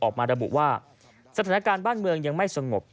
ออกมาระบุว่าสถานการณ์บ้านเมืองยังไม่สงบ